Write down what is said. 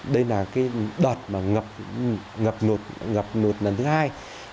đây là cái đợt mà ngập lụt lần thứ hai